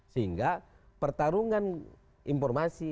sehingga pertarungan informasi